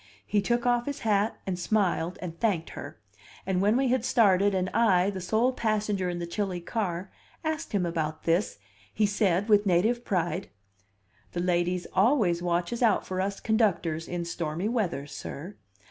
He took off his hat, and smiled, and thanked her; and when we had started and I, the sole passenger in the chilly car, asked him about this, he said with native pride: "The ladies always watches out for us conductors in stormy weather, sir.